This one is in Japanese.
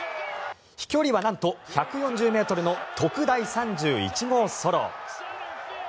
飛距離はなんと１４０ｍの特大３１号ソロ。